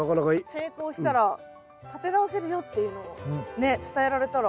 成功したら立て直せるよっていうのをね伝えられたら。